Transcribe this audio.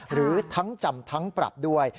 หรือทั้งจำทั้งปรับด้วย